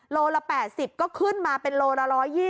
โลละ๘๐ก็ขึ้นมาเป็นโลละ๑๒๐